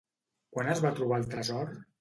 Quan es va trobar el tresor?